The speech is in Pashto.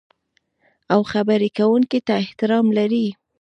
او خبرې کوونکي ته احترام لرئ.